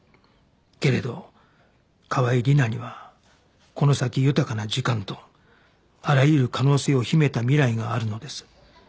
けれど川合理奈にはこの先豊かな時間とあらゆる可能性を秘めた未来があるのです